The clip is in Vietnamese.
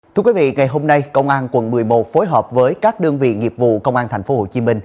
thưa quý vị ngày hôm nay công an quận một mươi một phối hợp với các đơn vị nghiệp vụ công an tp hcm